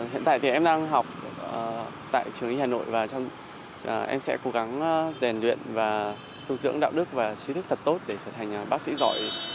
hiện tại thì em đang học tại trường y hà nội và em sẽ cố gắng rèn luyện và thu dưỡng đạo đức và trí thức thật tốt để trở thành bác sĩ giỏi